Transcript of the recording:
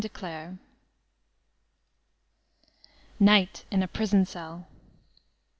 Sex Slavery NIGHT in a prison cell!